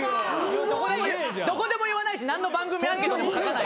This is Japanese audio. どこでも言わないし何の番組アンケートにも書かない。